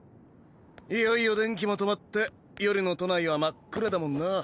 いよいよ電気も止まって夜の都内は真っ暗だもんな。